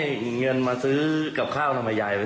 มันก็เดินไม่ได้แต่ตอนข้าวก็ไม่ได้